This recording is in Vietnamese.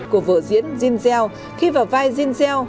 của vở diễn zinzel khi vào vai zinzel